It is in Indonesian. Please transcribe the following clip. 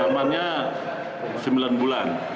amannya sembilan bulan